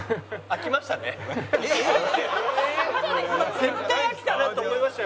絶対飽きたなと思いましたよ